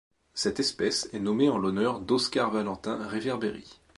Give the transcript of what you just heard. Cette espèce est nommée en l'honneur d'Oscar Valentin Reverberi.